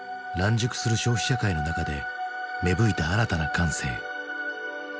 熟する消費社会の中で芽吹いた新たな感性。